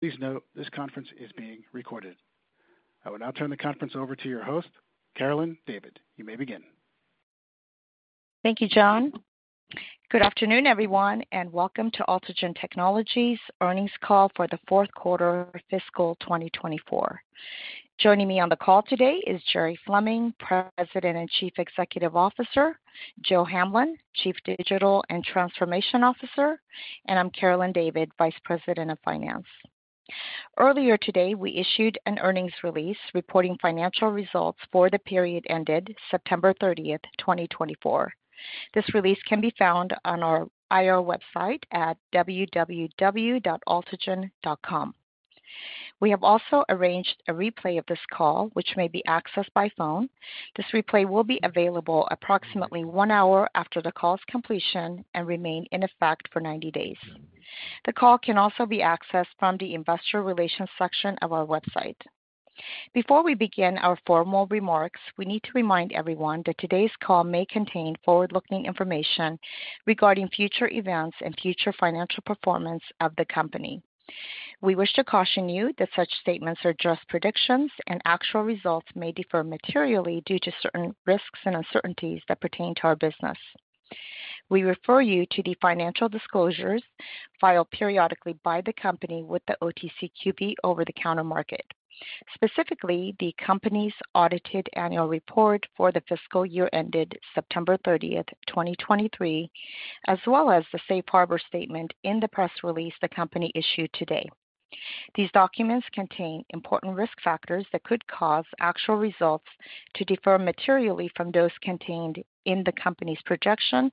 Please note this conference is being recorded. I will now turn the conference over to your host, Carolyn David. You may begin. Thank you, John. Good afternoon, everyone, and welcome to Altigen Technologies' earnings call for the fourth quarter of fiscal 2024. Joining me on the call today is Jerry Fleming, President and Chief Executive Officer, Joe Hamblin, Chief Digital and Transformation Officer, and I'm Carolyn David, Vice President of Finance. Earlier today, we issued an earnings release reporting financial results for the period ended September 30th, 2024. This release can be found on our IR website at www.altigen.com. We have also arranged a replay of this call, which may be accessed by phone. This replay will be available approximately one hour after the call's completion and remain in effect for 90 days. The call can also be accessed from the Investor Relations section of our website. Before we begin our formal remarks, we need to remind everyone that today's call may contain forward-looking information regarding future events and future financial performance of the company. We wish to caution you that such statements are just predictions, and actual results may differ materially due to certain risks and uncertainties that pertain to our business. We refer you to the financial disclosures filed periodically by the company with the OTCQB over-the-counter market, specifically the company's audited annual report for the fiscal year ended September 30th, 2023, as well as the safe harbor statement in the press release the company issued today. These documents contain important risk factors that could cause actual results to differ materially from those contained in the company's projection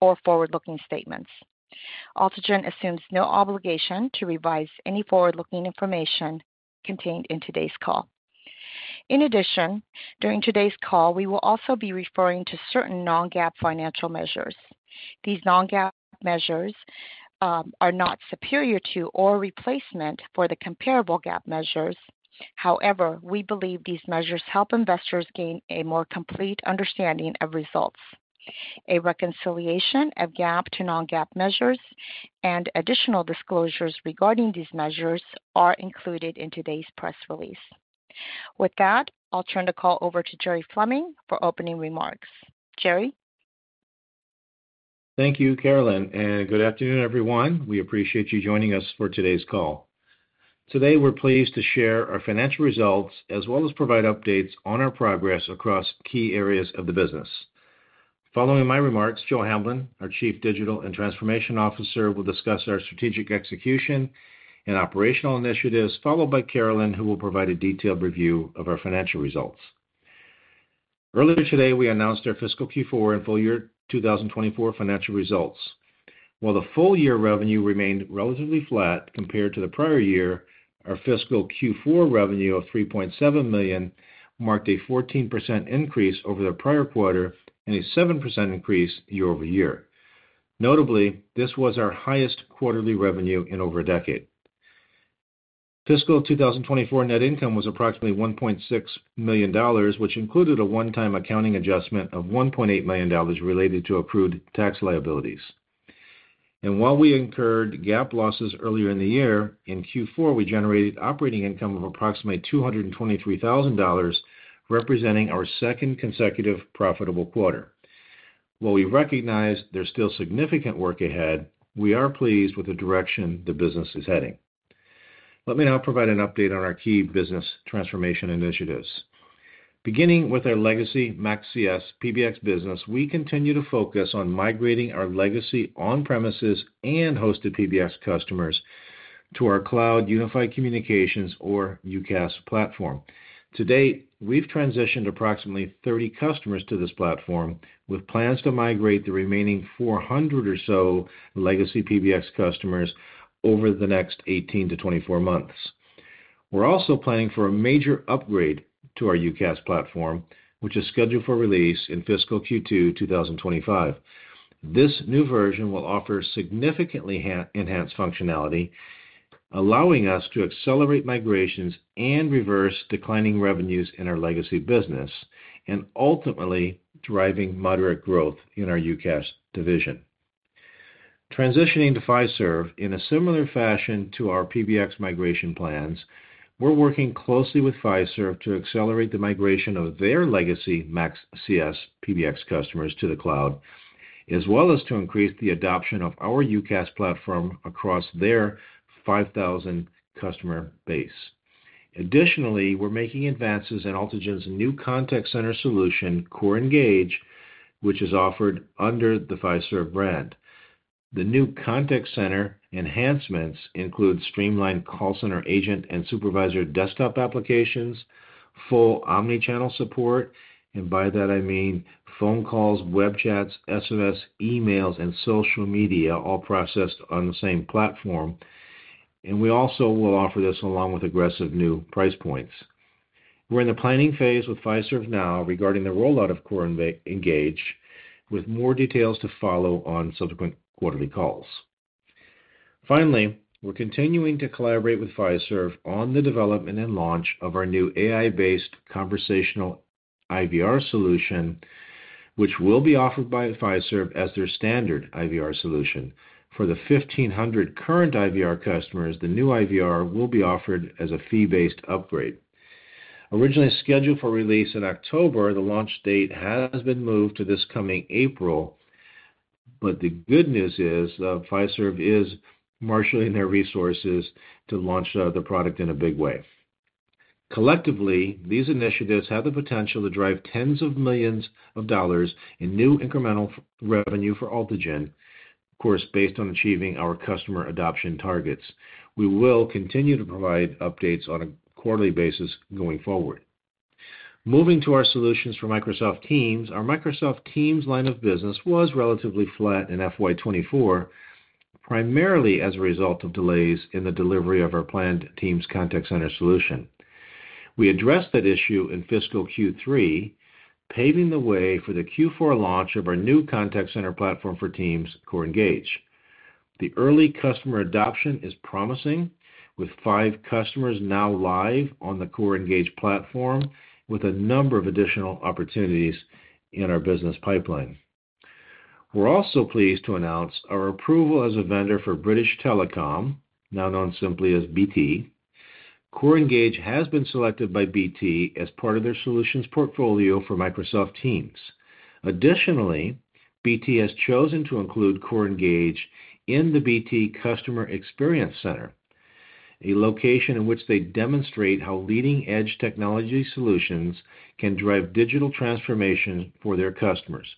or forward-looking statements. Altigen assumes no obligation to revise any forward-looking information contained in today's call. In addition, during today's call, we will also be referring to certain non-GAAP financial measures. These non-GAAP measures are not superior to or replacement for the comparable GAAP measures. However, we believe these measures help investors gain a more complete understanding of results. A reconciliation of GAAP to non-GAAP measures and additional disclosures regarding these measures are included in today's press release. With that, I'll turn the call over to Jerry Fleming for opening remarks. Jerry. Thank you, Carolyn, and good afternoon, everyone. We appreciate you joining us for today's call. Today, we're pleased to share our financial results as well as provide updates on our progress across key areas of the business. Following my remarks, Joe Hamblin, our Chief Digital and Transformation Officer, will discuss our strategic execution and operational initiatives, followed by Carolyn, who will provide a detailed review of our financial results. Earlier today, we announced our fiscal Q4 and full year 2024 financial results. While the full year revenue remained relatively flat compared to the prior year, our fiscal Q4 revenue of $3.7 million marked a 14% increase over the prior quarter and a 7% increase year-over-year. Notably, this was our highest quarterly revenue in over a decade. Fiscal 2024 net income was approximately $1.6 million, which included a one-time accounting adjustment of $1.8 million related to accrued tax liabilities. While we incurred GAAP losses earlier in the year, in Q4, we generated operating income of approximately $223,000, representing our second consecutive profitable quarter. While we recognize there's still significant work ahead, we are pleased with the direction the business is heading. Let me now provide an update on our key business transformation initiatives. Beginning with our legacy MaxCS PBX business, we continue to focus on migrating our legacy on-premises and hosted PBX customers to our Cloud Unified Communications, or UCaaS, platform. To date, we've transitioned approximately 30 customers to this platform, with plans to migrate the remaining 400 or so legacy PBX customers over the next 18-24 months. We're also planning for a major upgrade to our UCaaS platform, which is scheduled for release in fiscal Q2 2025. This new version will offer significantly enhanced functionality, allowing us to accelerate migrations and reverse declining revenues in our legacy business and ultimately driving moderate growth in our UCaaS division. Transitioning to Fiserv in a similar fashion to our PBX migration plans, we're working closely with Fiserv to accelerate the migration of their legacy MaxCS PBX customers to the cloud, as well as to increase the adoption of our UCaaS platform across their 5,000 customer base. Additionally, we're making advances in Altigen's new contact center solution, CoreEngage, which is offered under the Fiserv brand. The new contact center enhancements include streamlined call center agent and supervisor desktop applications, full omnichannel support, and by that, I mean phone calls, web chats, SMS, emails, and social media all processed on the same platform. And we also will offer this along with aggressive new price points. We're in the planning phase with Fiserv now regarding the rollout of CoreEngage, with more details to follow on subsequent quarterly calls. Finally, we're continuing to collaborate with Fiserv on the development and launch of our new AI-based conversational IVR solution, which will be offered by Fiserv as their standard IVR solution. For the 1,500 current IVR customers, the new IVR will be offered as a fee-based upgrade. Originally scheduled for release in October, the launch date has been moved to this coming April, but the good news is that Fiserv is marshaling their resources to launch the product in a big way. Collectively, these initiatives have the potential to drive tens of millions of dollars in new incremental revenue for Altigen, of course, based on achieving our customer adoption targets. We will continue to provide updates on a quarterly basis going forward. Moving to our solutions for Microsoft Teams, our Microsoft Teams line of business was relatively flat in FY 2024, primarily as a result of delays in the delivery of our planned Teams contact center solution. We addressed that issue in fiscal Q3, paving the way for the Q4 launch of our new contact center platform for Teams, CoreEngage. The early customer adoption is promising, with five customers now live on the CoreEngage platform, with a number of additional opportunities in our business pipeline. We're also pleased to announce our approval as a vendor for British Telecom, now known simply as BT. CoreEngage has been selected by BT as part of their solutions portfolio for Microsoft Teams. Additionally, BT has chosen to include CoreEngage in the BT Customer Experience Centre, a location in which they demonstrate how leading-edge technology solutions can drive digital transformation for their customers.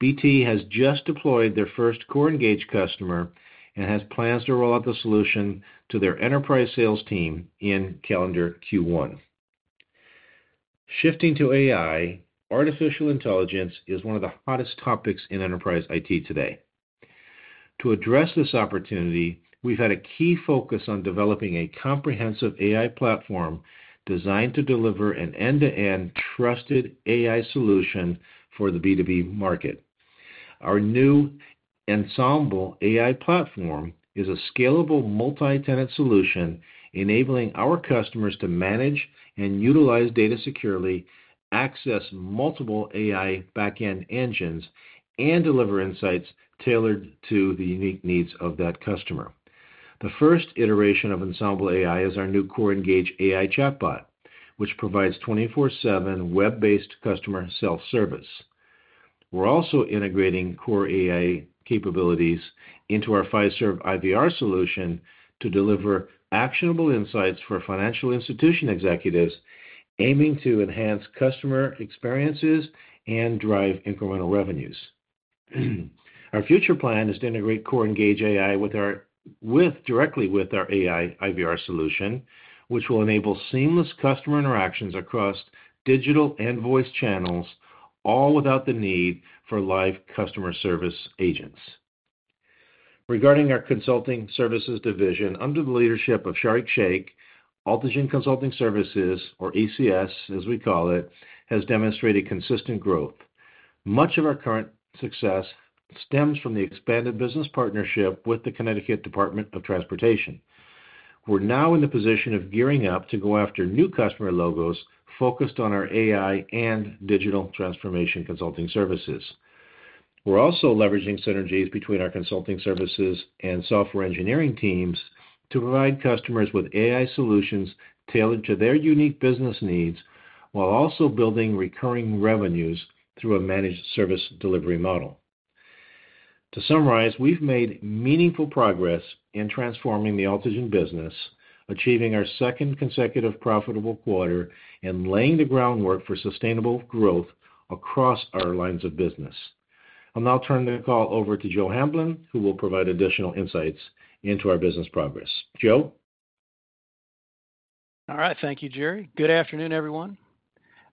BT has just deployed their first CoreEngage customer and has plans to roll out the solution to their enterprise sales team in calendar Q1. Shifting to AI, artificial intelligence is one of the hottest topics in enterprise IT today. To address this opportunity, we've had a key focus on developing a comprehensive AI platform designed to deliver an end-to-end trusted AI solution for the B2B market. Our new Ensemble AI platform is a scalable multi-tenant solution, enabling our customers to manage and utilize data securely, access multiple AI back-end engines, and deliver insights tailored to the unique needs of that customer. The first iteration of Ensemble AI is our new CoreEngage AI chatbot, which provides 24/7 web-based customer self-service. We're also integrating Core AI capabilities into our Fiserv IVR solution to deliver actionable insights for financial institution executives, aiming to enhance customer experiences and drive incremental revenues. Our future plan is to integrate CoreEngage AI directly with our AI IVR solution, which will enable seamless customer interactions across digital and voice channels, all without the need for live customer service agents. Regarding our consulting services division, under the leadership of Sharique Shaikh, Altigen Consulting Services, or ACS, as we call it, has demonstrated consistent growth. Much of our current success stems from the expanded business partnership with the Connecticut Department of Transportation. We're now in the position of gearing up to go after new customer logos focused on our AI and digital transformation consulting services. We're also leveraging synergies between our consulting services and software engineering teams to provide customers with AI solutions tailored to their unique business needs, while also building recurring revenues through a managed service delivery model. To summarize, we've made meaningful progress in transforming the Altigen business, achieving our second consecutive profitable quarter, and laying the groundwork for sustainable growth across our lines of business. I'll now turn the call over to Joe Hamblin, who will provide additional insights into our business progress. Joe? All right. Thank you, Jerry. Good afternoon, everyone.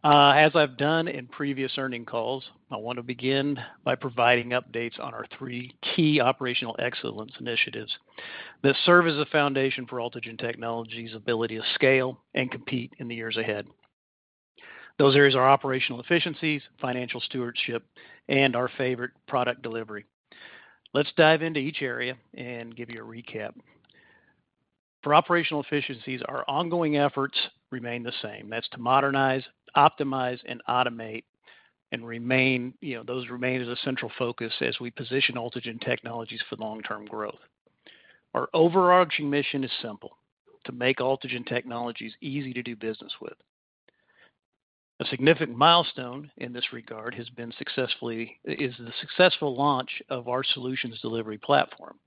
As I've done in previous earnings calls, I want to begin by providing updates on our three key operational excellence initiatives that serve as a foundation for Altigen Technologies' ability to scale and compete in the years ahead. Those areas are operational efficiencies, financial stewardship, and our favorite product delivery. Let's dive into each area and give you a recap. For operational efficiencies, our ongoing efforts remain the same. That's to modernize, optimize, and automate, and those remain as a central focus as we position Altigen Technologies for long-term growth. Our overarching mission is simple: to make Altigen Technologies easy to do business with. A significant milestone in this regard has been the successful launch of our solutions delivery platform.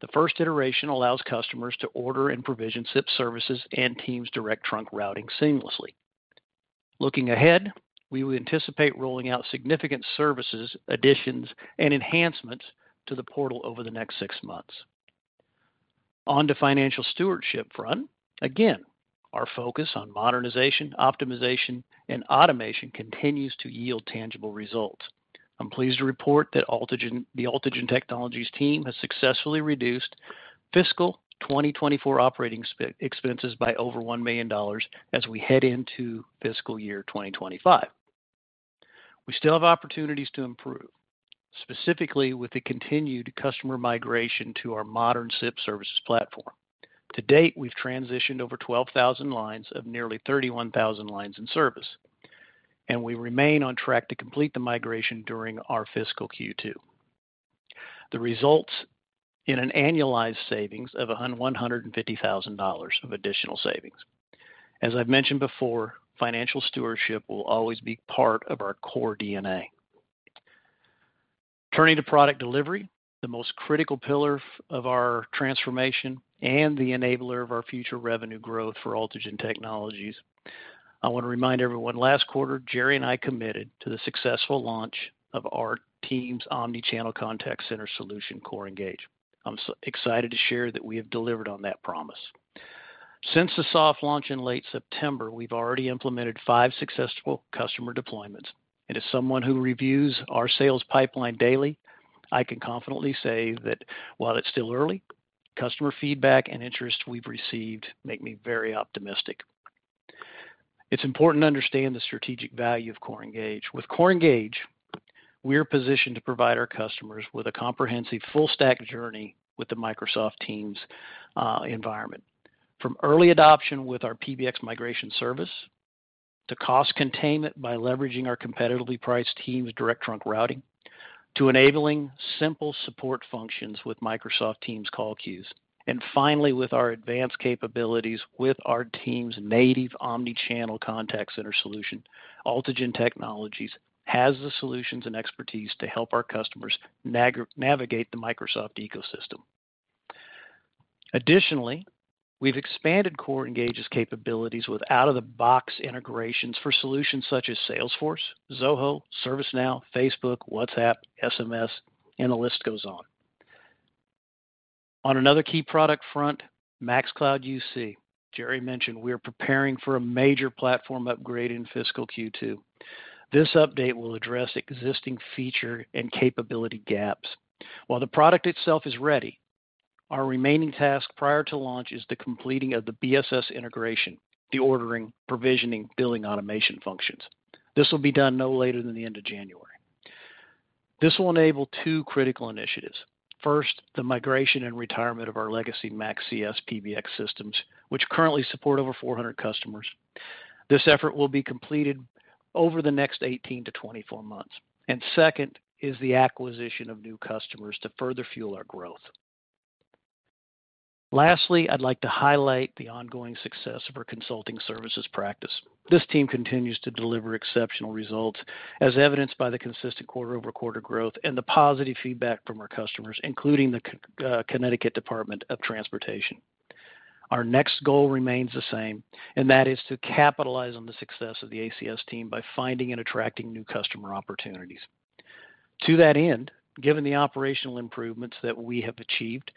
The first iteration allows customers to order and provision SIP services and Teams direct trunk routing seamlessly. Looking ahead, we anticipate rolling out significant services, additions, and enhancements to the portal over the next six months. On the financial stewardship front, again, our focus on modernization, optimization, and automation continues to yield tangible results. I'm pleased to report that the Altigen Technologies team has successfully reduced fiscal 2024 operating expenses by over $1 million as we head into fiscal year 2025. We still have opportunities to improve, specifically with the continued customer migration to our modern SIP services platform. To date, we've transitioned over 12,000 lines of nearly 31,000 lines in service, and we remain on track to complete the migration during our fiscal Q2. This results in an annualized savings of $150,000 of additional savings. As I've mentioned before, financial stewardship will always be part of our core DNA. Turning to product delivery, the most critical pillar of our transformation and the enabler of our future revenue growth for Altigen Technologies, I want to remind everyone last quarter, Jerry and I committed to the successful launch of our Teams omnichannel contact center solution, CoreEngage. I'm excited to share that we have delivered on that promise. Since the soft launch in late September, we've already implemented five successful customer deployments. And as someone who reviews our sales pipeline daily, I can confidently say that while it's still early, customer feedback and interest we've received make me very optimistic. It's important to understand the strategic value of CoreEngage. With CoreEngage, we're positioned to provide our customers with a comprehensive full-stack journey with the Microsoft Teams environment, from early adoption with our PBX migration service to cost containment by leveraging our competitively priced Teams direct trunk routing to enabling simple support functions with Microsoft Teams call queues, and finally, with our advanced capabilities with our Teams native omnichannel contact center solution, Altigen Technologies has the solutions and expertise to help our customers navigate the Microsoft ecosystem. Additionally, we've expanded CoreEngage's capabilities with out-of-the-box integrations for solutions such as Salesforce, Zoho, ServiceNow, Facebook, WhatsApp, SMS, and the list goes on. On another key product front, MaxCloud UC, Jerry mentioned we're preparing for a major platform upgrade in fiscal Q2. This update will address existing feature and capability gaps. While the product itself is ready, our remaining task prior to launch is the completion of the BSS integration, the ordering, provisioning, billing automation functions. This will be done no later than the end of January. This will enable two critical initiatives. First, the migration and retirement of our legacy MaxCS PBX systems, which currently support over 400 customers. This effort will be completed over the next 18-24 months, and second is the acquisition of new customers to further fuel our growth. Lastly, I'd like to highlight the ongoing success of our consulting services practice. This team continues to deliver exceptional results, as evidenced by the consistent quarter-over-quarter growth and the positive feedback from our customers, including the Connecticut Department of Transportation. Our next goal remains the same, and that is to capitalize on the success of the ACS team by finding and attracting new customer opportunities. To that end, given the operational improvements that we have achieved,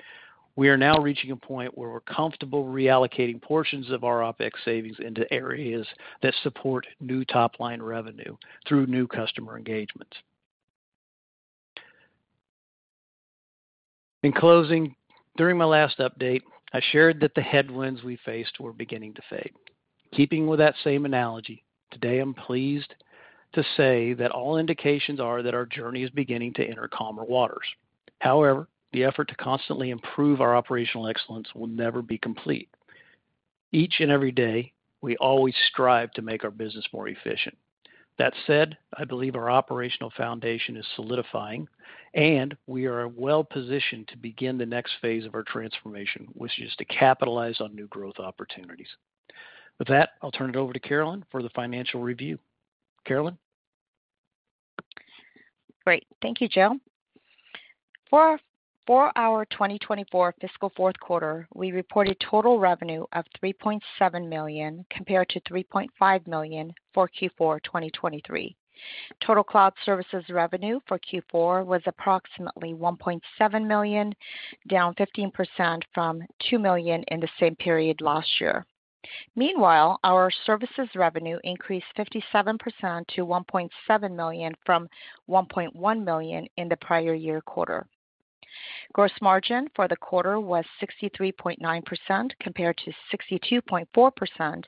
we are now reaching a point where we're comfortable reallocating portions of our OpEx savings into areas that support new top-line revenue through new customer engagements. In closing, during my last update, I shared that the headwinds we faced were beginning to fade. Keeping with that same analogy, today I'm pleased to say that all indications are that our journey is beginning to enter calmer waters. However, the effort to constantly improve our operational excellence will never be complete. Each and every day, we always strive to make our business more efficient. That said, I believe our operational foundation is solidifying, and we are well-positioned to begin the next phase of our transformation, which is to capitalize on new growth opportunities. With that, I'll turn it over to Carolyn for the financial review. Carolyn? Great. Thank you, Joe. For our 2024 fiscal fourth quarter, we reported total revenue of $3.7 million compared to $3.5 million for Q4 2023. Total cloud services revenue for Q4 was approximately $1.7 million, down 15% from $2 million in the same period last year. Meanwhile, our services revenue increased 57% to $1.7 million from $1.1 million in the prior year quarter. Gross margin for the quarter was 63.9% compared to 62.4%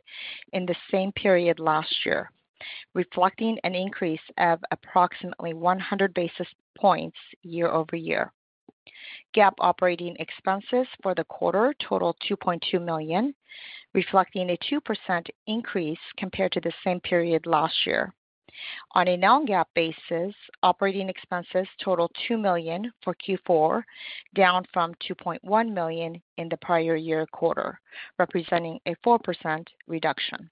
in the same period last year, reflecting an increase of approximately 100 basis points year-over-year. GAAP operating expenses for the quarter totaled $2.2 million, reflecting a 2% increase compared to the same period last year. On a non-GAAP basis, operating expenses totaled $2 million for Q4, down from $2.1 million in the prior year quarter, representing a 4% reduction.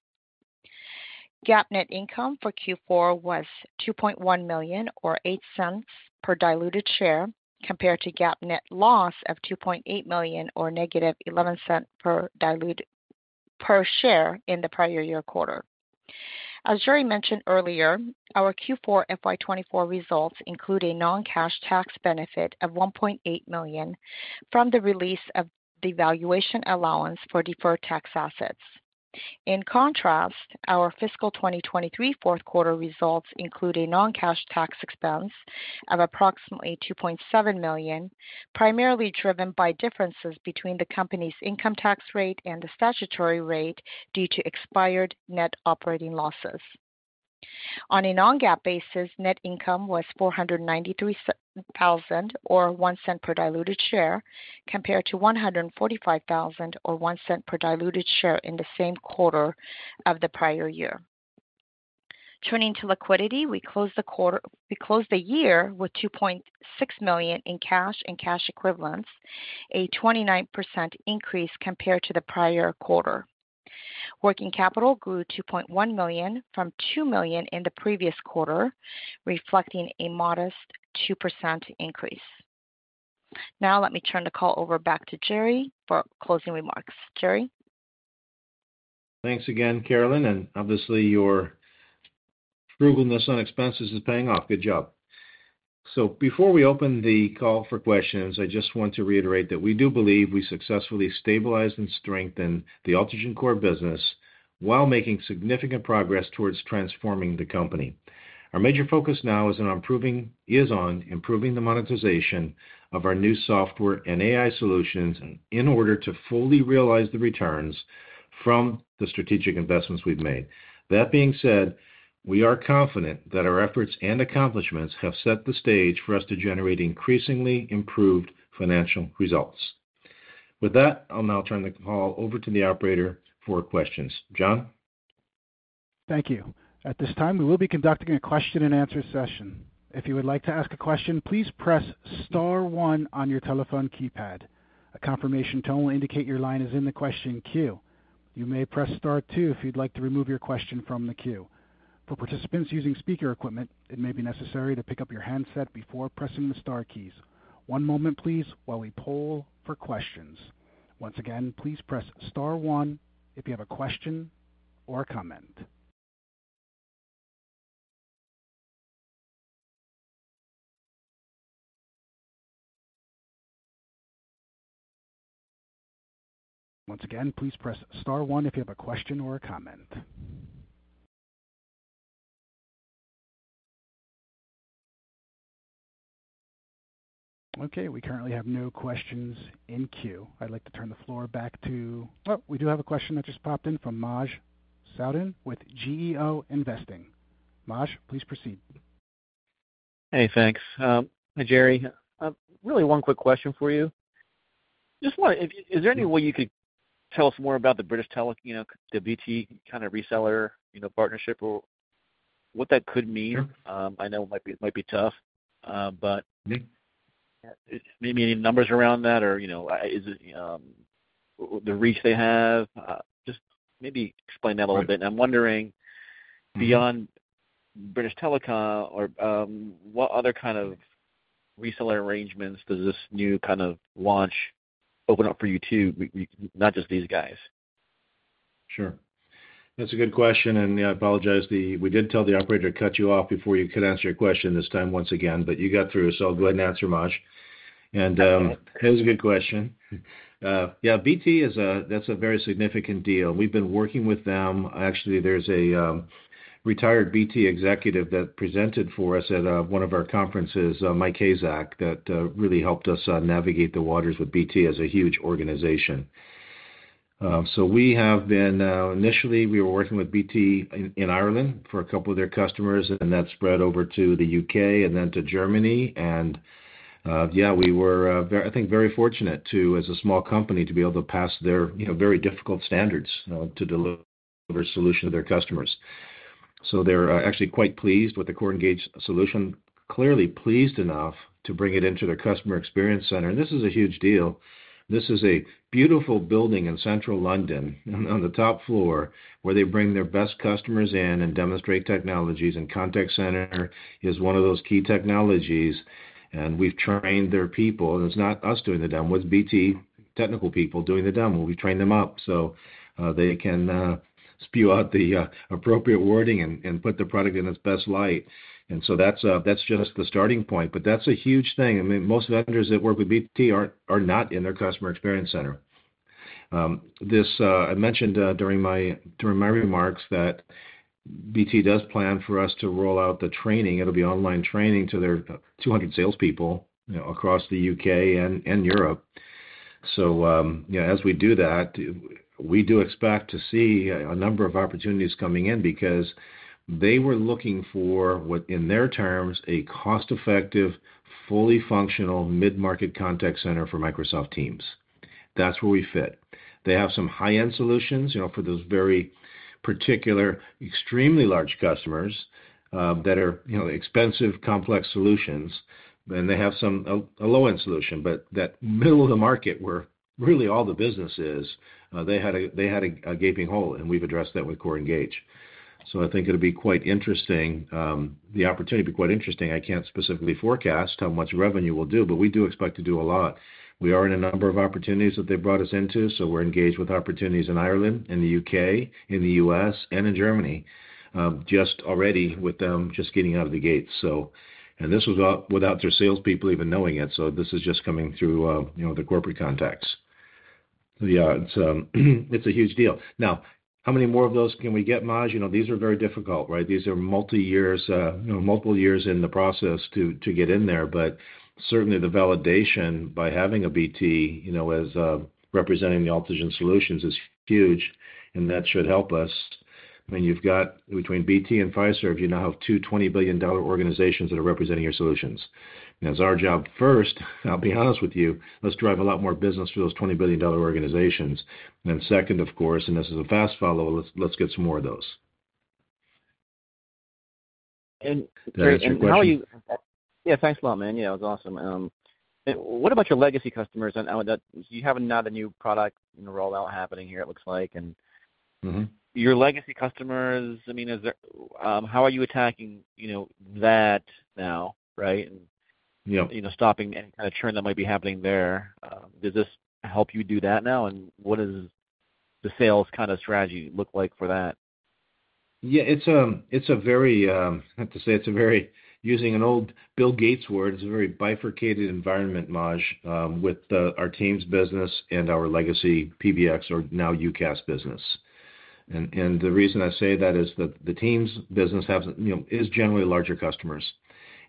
GAAP net income for Q4 was $2.1 million, or $0.08 per diluted share, compared to GAAP net loss of $2.8 million, or -$0.11 per share in the prior year quarter. As Jerry mentioned earlier, our Q4 FY 2024 results include a non-cash tax benefit of $1.8 million from the release of the valuation allowance for deferred tax assets. In contrast, our fiscal 2023 fourth quarter results include a non-cash tax expense of approximately $2.7 million, primarily driven by differences between the company's income tax rate and the statutory rate due to expired net operating losses. On a non-GAAP basis, net income was $492,000, or $0.01 per diluted share, compared to $145,000, or $0.01 per diluted share in the same quarter of the prior year. Turning to liquidity, we closed the year with $2.6 million in cash and cash equivalents, a 29% increase compared to the prior quarter. Working capital grew $2.1 million from $2 million in the previous quarter, reflecting a modest 2% increase. Now, let me turn the call over back to Jerry for closing remarks. Jerry? Thanks again, Carolyn. And obviously, your frugalness on expenses is paying off. Good job. So before we open the call for questions, I just want to reiterate that we do believe we successfully stabilized and strengthened the Altigen core business while making significant progress towards transforming the company. Our major focus now is on improving the monetization of our new software and AI solutions in order to fully realize the returns from the strategic investments we've made. That being said, we are confident that our efforts and accomplishments have set the stage for us to generate increasingly improved financial results. With that, I'll now turn the call over to the operator for questions. John? Thank you. At this time, we will be conducting a question-and-answer session. If you would like to ask a question, please press star one on your telephone keypad. A confirmation tone will indicate your line is in the question queue. You may press star two if you'd like to remove your question from the queue. For participants using speaker equipment, it may be necessary to pick up your handset before pressing the star keys. One moment, please, while we poll for questions. Once again, please press star one if you have a question or a comment. Once again, please press star one if you have a question or a comment. Okay. We currently have no questions in queue. I'd like to turn the floor back to, oh, we do have a question that just popped in from Maj Soueidan with GeoInvesting. Maj, please proceed. Hey, thanks. Hi, Jerry. Really one quick question for you. Just wondering, is there any way you could tell us more about the British Telecom, the BT kind of reseller partnership, what that could mean? I know it might be tough, but maybe any numbers around that, or the reach they have? Just maybe explain that a little bit. And I'm wondering, beyond British Telecom, what other kind of reseller arrangements does this new kind of launch open up for you too, not just these guys? Sure. That's a good question. And I apologize. We did tell the operator to cut you off before you could answer your question this time once again, but you got through, so I'll go ahead and answer, Maj. And it was a good question. Yeah, BT, that's a very significant deal. We've been working with them. Actually, there's a retired BT executive that presented for us at one of our conferences, Mike Kazek, that really helped us navigate the waters with BT as a huge organization. So we have been initially, we were working with BT in Ireland for a couple of their customers, and then that spread over to the UK and then to Germany. And yeah, we were, I think, very fortunate to, as a small company, to be able to pass their very difficult standards to deliver a solution to their customers. So they're actually quite pleased with the CoreEngage solution, clearly pleased enough to bring it into their customer experience center. And this is a huge deal. This is a beautiful building in central London on the top floor where they bring their best customers in and demonstrate technologies, and contact center is one of those key technologies. And we've trained their people. And it's not us doing the demo. It's BT technical people doing the demo. We train them up so they can spew out the appropriate wording and put the product in its best light. And so that's just the starting point. But that's a huge thing. I mean, most vendors that work with BT are not in their customer experience center. I mentioned during my remarks that BT does plan for us to roll out the training. It'll be online training to their 200 salespeople across the UK and Europe, so as we do that, we do expect to see a number of opportunities coming in because they were looking for, in their terms, a cost-effective, fully functional mid-market contact center for Microsoft Teams. That's where we fit. They have some high-end solutions for those very particular, extremely large customers that are expensive, complex solutions, and they have a low-end solution, but that middle of the market where really all the business is, they had a gaping hole, and we've addressed that with CoreEngage, so I think it'll be quite interesting. The opportunity will be quite interesting. I can't specifically forecast how much revenue we'll do, but we do expect to do a lot. We are in a number of opportunities that they've brought us into. We're engaged with opportunities in Ireland, in the U.K., in the U.S., and in Germany, just already with them just getting out of the gates. And this was without their salespeople even knowing it. So this is just coming through the corporate contacts. Yeah, it's a huge deal. Now, how many more of those can we get, Maj? These are very difficult, right? These are multi-years, multiple years in the process to get in there. But certainly, the validation by having a BT representing the Altigen solutions is huge. And that should help us. I mean, you've got between BT and Fiserv, you now have two $20 billion organizations that are representing your solutions. And it's our job first. I'll be honest with you, let's drive a lot more business through those $20 billion organizations. And then, second, of course, and this is a fast follow-up. Let's get some more of those. And Jerry, how are you? Yeah, thanks a lot, man. Yeah, it was awesome. What about your legacy customers? You have another new product rollout happening here, it looks like. And your legacy customers, I mean, how are you attacking that now, right? And stopping any kind of churn that might be happening there. Does this help you do that now? And what does the sales kind of strategy look like for that? Yeah, it's a very, I have to say it's a very, using an old Bill Gates word, it's a very bifurcated environment, Maj, with our Teams business and our legacy PBX, or now UCaaS business. And the reason I say that is that the Teams business is generally larger customers.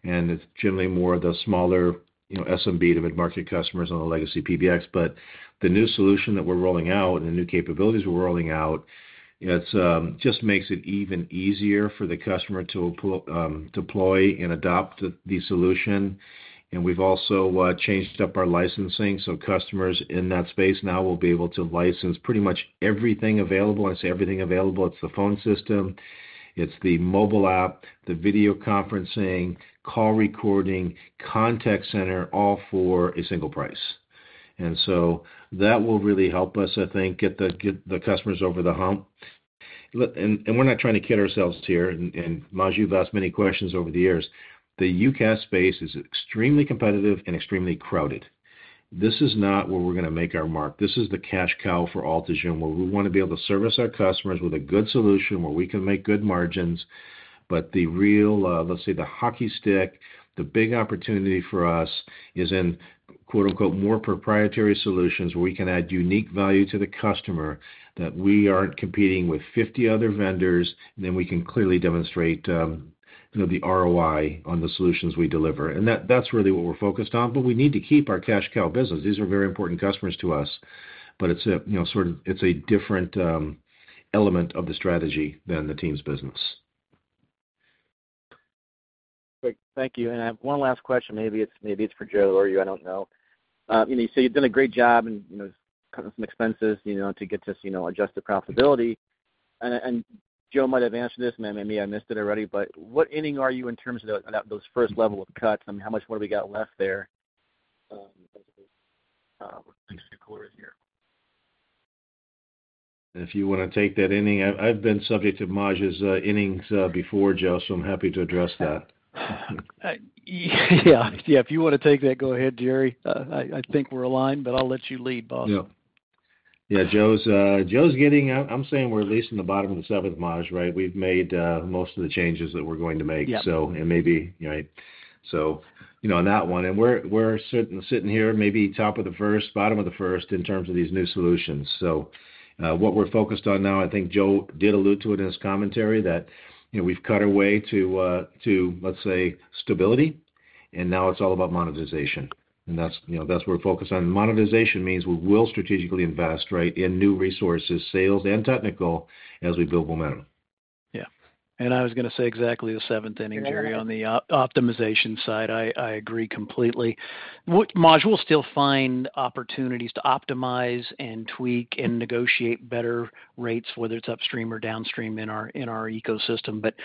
And it's generally more of the smaller SMB to mid-market customers on the legacy PBX. But the new solution that we're rolling out and the new capabilities we're rolling out, it just makes it even easier for the customer to deploy and adopt the solution. And we've also changed up our licensing. So customers in that space now will be able to license pretty much everything available. When I say everything available, it's the phone system, it's the mobile app, the video conferencing, call recording, contact center, all for a single price. And so that will really help us, I think, get the customers over the hump. And we're not trying to kid ourselves here. And Maj, you've asked many questions over the years. The UCaaS space is extremely competitive and extremely crowded. This is not where we're going to make our mark. This is the cash cow for Altigen, where we want to be able to service our customers with a good solution where we can make good margins. But the real, let's say, the hockey stick, the big opportunity for us is in "more proprietary solutions" where we can add unique value to the customer that we aren't competing with 50 other vendors, and then we can clearly demonstrate the ROI on the solutions we deliver. And that's really what we're focused on. But we need to keep our cash cow business. These are very important customers to us. But it's a different element of the strategy than the Teams business. Perfect. Thank you. And I have one last question. Maybe it's for Joe or you. I don't know. You said you've done a great job in cutting some expenses to get us to adjust the profitability. And Joe might have answered this, and maybe I missed it already, but what inning are you in terms of those first level of cuts? I mean, how much more do we got left there? If you want to take that inning, I've been subject to Maj's innings before, Joe, so I'm happy to address that. Yeah. Yeah. If you want to take that, go ahead, Jerry. I think we're aligned, but I'll let you lead, Joe. Yeah. Yeah. I'm saying we're at least in the bottom of the seventh, Maj, right? We've made most of the changes that we're going to make. So maybe, right? So on that one. And we're sitting here, maybe top of the first, bottom of the first in terms of these new solutions. So what we're focused on now, I think Joe did allude to it in his commentary, that we've cut our way to, let's say, stability, and now it's all about monetization. And that's where we're focused on. Monetization means we will strategically invest, right, in new resources, sales and technical, as we build momentum. Yeah. And I was going to say exactly the seventh inning, Jerry, on the optimization side. I agree completely. Maj, we'll still find opportunities to optimize and tweak and negotiate better rates, whether it's upstream or downstream in our ecosystem. But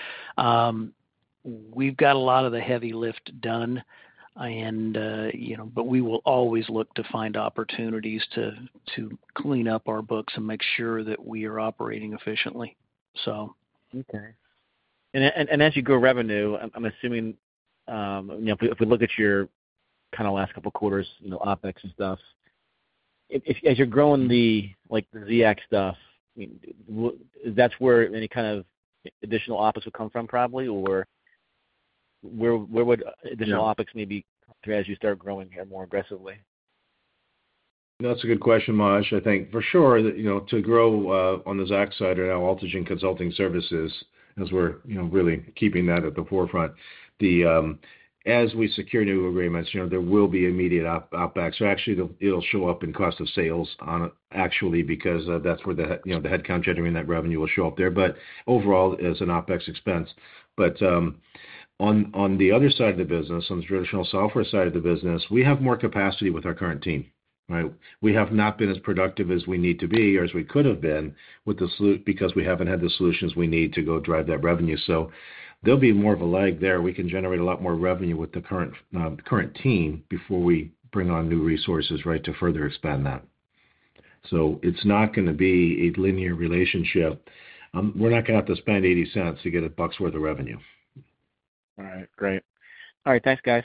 we've got a lot of the heavy lift done. But we will always look to find opportunities to clean up our books and make sure that we are operating efficiently, so. Okay. And as you grow revenue, I'm assuming if we look at your kind of last couple of quarters, OpEx and stuff, as you're growing the UC stuff, that's where any kind of additional OpEx would come from, probably? Or where would additional OpEx maybe come through as you start growing here more aggressively? That's a good question, Maj, I think. For sure, to grow on the ACS side right now, Altigen Consulting Services, as we're really keeping that at the forefront. As we secure new agreements, there will be immediate OpEx. So actually, it'll show up in cost of sales actually because that's where the headcount generating that revenue will show up there, but overall as an OpEx expense but on the other side of the business, on the traditional software side of the business, we have more capacity with our current team, right? We have not been as productive as we need to be or as we could have been because we haven't had the solutions we need to go drive that revenue, so there'll be more of a lag there. We can generate a lot more revenue with the current team before we bring on new resources, right, to further expand that. So it's not going to be a linear relationship. We're not going to have to spend $0.80 to get $1 worth of revenue. All right. Great. All right. Thanks, guys.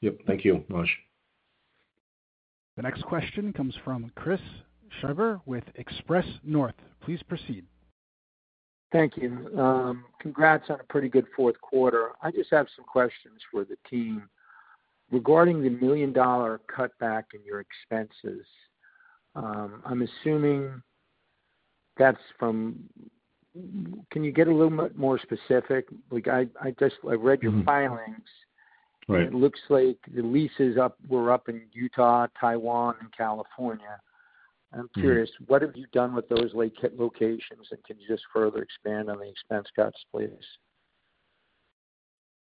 Yep. Thank you, Maj. The next question comes from Chris Scherber with Express North. Please proceed. Thank you. Congrats on a pretty good fourth quarter. I just have some questions for the team. Regarding the $1 million cutback in your expenses, I'm assuming that's from. Can you get a little bit more specific? I read your filings. It looks like the leases were up in Utah, Taiwan, and California. I'm curious, what have you done with those locations? And can you just further expand on the expense cuts, please?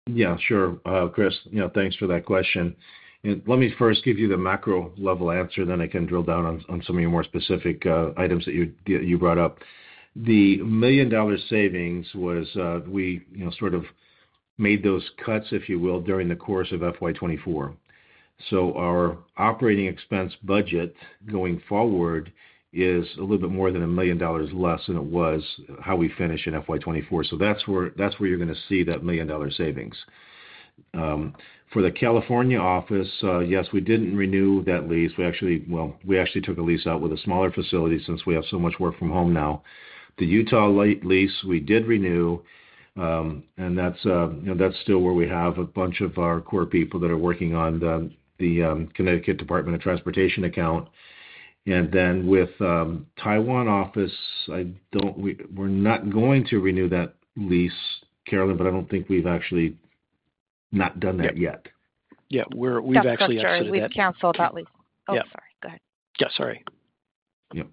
Yeah, sure. Chris, thanks for that question. Let me first give you the macro-level answer, then I can drill down on some of your more specific items that you brought up. The million-dollar savings was we sort of made those cuts, if you will, during the course of FY 2024. So our operating expense budget going forward is a little bit more than $1 million less than it was how we finished in FY 2024. So that's where you're going to see that million-dollar savings. For the California office, yes, we didn't renew that lease. Well, we actually took a lease out with a smaller facility since we have so much work from home now. The Utah lease, we did renew. And that's still where we have a bunch of our core people that are working on the Connecticut Department of Transportation account. And then with Taiwan office, we're not going to renew that lease, Carolyn, but I don't think we've actually not done that yet. Yeah. We've actually. We've canceled that lease. Oh, sorry. Go ahead. Yeah. Sorry. Yep.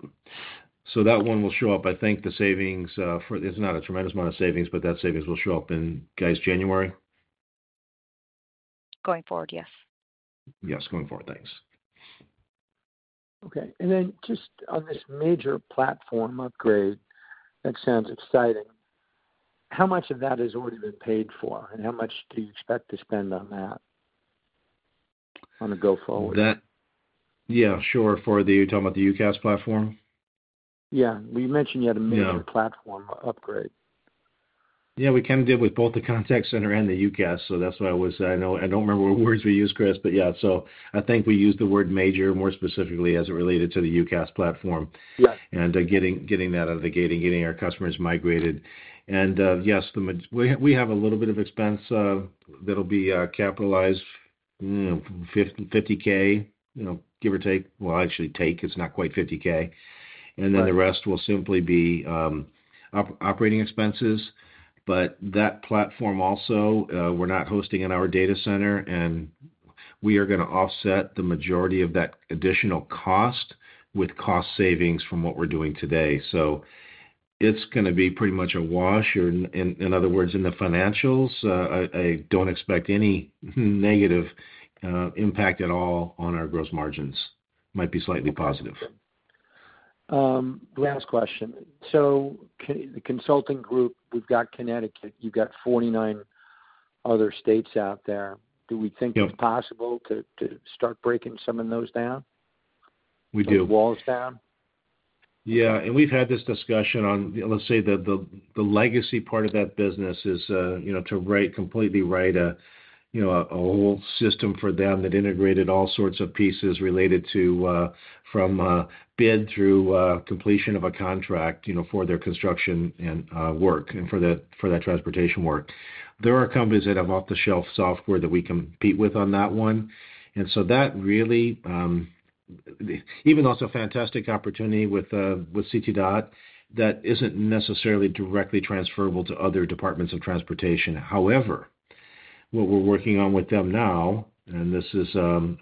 So that one will show up. I think the savings for, it's not a tremendous amount of savings, but that savings will show up in, guys, January? Going forward, yes. Yes. Going forward. Thanks. Okay. And then just on this major platform upgrade, that sounds exciting. How much of that has already been paid for? And how much do you expect to spend on that on the go-forward? Yeah. Sure. You're talking about the UCaaS platform? Yeah. You mentioned you had a major platform upgrade. Yeah. We kind of did with both the contact center and the UCaaS. So that's why I was. I don't remember what words we used, Chris, but yeah. So I think we used the word major more specifically as it related to the UCaaS platform and getting that out of the gating, getting our customers migrated. And yes, we have a little bit of expense that'll be capitalized, $50K, give or take. Well, actually, take. It's not quite $50K. And then the rest will simply be operating expenses. But that platform also, we're not hosting in our data center. And we are going to offset the majority of that additional cost with cost savings from what we're doing today. So it's going to be pretty much a wash. In other words, in the financials, I don't expect any negative impact at all on our gross margins. Might be slightly positive. Last question. So the consulting group, we've got Connecticut. You've got 49 other states out there. Do we think it's possible to start breaking some of those down? We do. Put the walls down? Yeah. And we've had this discussion on, let's say, the legacy part of that business is to completely write a whole system for them that integrated all sorts of pieces related to from bid through completion of a contract for their construction work and for that transportation work. There are companies that have off-the-shelf software that we compete with on that one. And so that really, even though it's a fantastic opportunity with CT DOT, that isn't necessarily directly transferable to other departments of transportation. However, what we're working on with them now, and this is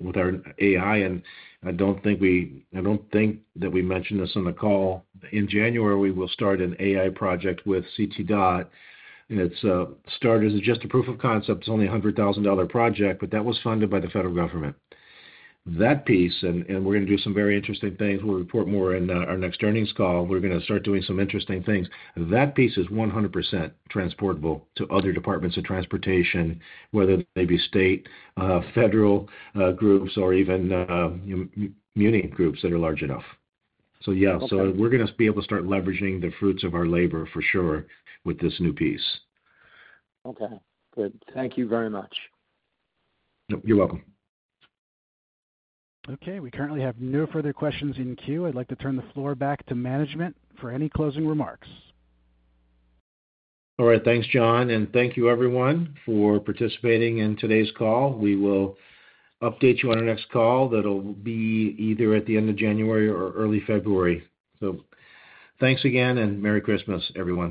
with our AI, and I don't think we, I don't think that we mentioned this on the call. In January, we will start an AI project with CT DOT. And it started as just a proof of concept. It's only a $100,000 project, but that was funded by the federal government. That piece, and we're going to do some very interesting things. We'll report more in our next earnings call. We're going to start doing some interesting things. That piece is 100% transportable to other departments of transportation, whether they be state, federal groups, or even union groups that are large enough. So yeah. So we're going to be able to start leveraging the fruits of our labor for sure with this new piece. Okay. Good. Thank you very much. Yep. You're welcome. Okay. We currently have no further questions in queue. I'd like to turn the floor back to management for any closing remarks. All right. Thanks, John. And thank you, everyone, for participating in today's call. We will update you on our next call. That'll be either at the end of January or early February. So thanks again, and Merry Christmas, everyone.